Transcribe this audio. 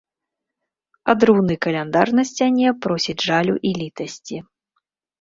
Адрыўны каляндар на сцяне просіць жалю і літасці.